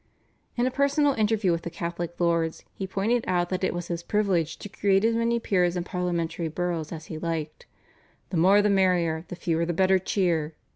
In a personal interview with the Catholic lords he pointed out that it was his privilege to create as many peers and parliamentary boroughs as he liked. "The more the merrier, the fewer the better cheer."